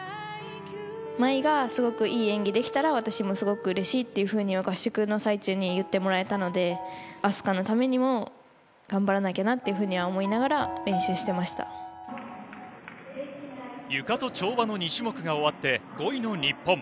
茉愛がすごくいい演技できたら、私もすごくうれしいっていうふうに合宿の最中に言ってもらえたので、明日香のためにも頑張らなきゃなっていうふうには思いなゆかと跳馬の２種目が終わって、５位の日本。